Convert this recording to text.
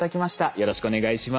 よろしくお願いします。